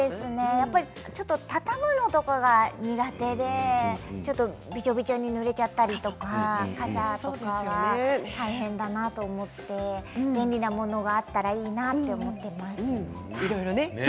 畳むのが苦手でちょっと、びちゃびちゃにぬれちゃったりとか傘とかは大変だなと思って便利なものがあったらいいなと思っています。